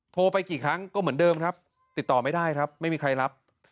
โทรไปกี่ครั้งก็เหมือนเดิมครับติดต่อไม่ได้ครับไม่มีใครรับ